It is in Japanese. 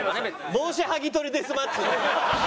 帽子剥ぎ取りデスマッチ。